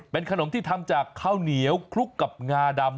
เป็นขนมที่ทำจากข้าวเหนียวคลุกกับงาดำ